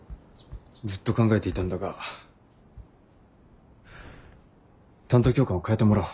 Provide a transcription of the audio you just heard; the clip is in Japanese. ずっと考えていたんだが担当教官を替えてもらおう。